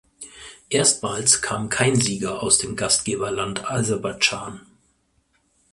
Erstmals kam kein Sieger aus dem Gastgeberland Aserbaidschan.